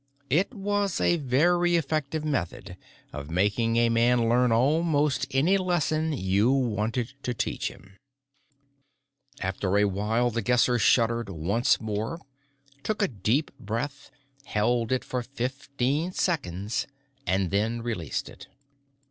It was a very effective method of making a man learn almost any lesson you wanted to teach him. After a while, The Guesser shuddered once more, took a deep breath, held it for fifteen seconds, and then released it.